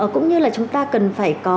cũng như là chúng ta cần phải có